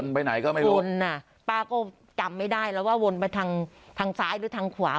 ไปไหนก็ไม่รู้วนอ่ะป้าก็จำไม่ได้แล้วว่าวนไปทางทางซ้ายหรือทางขวา